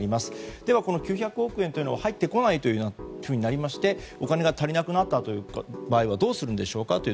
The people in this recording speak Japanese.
では、この９００億円というのは入ってこないというふうになりましてお金が足りなくなった場合はどうするんでしょうか。